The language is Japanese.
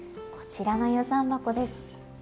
こちらの遊山箱です。